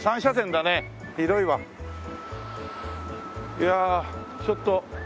いやちょっと。